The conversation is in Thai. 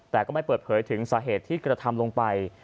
แต่ก็ไม่เปิดเผยถึงสาเหตุที่กระทำลงไป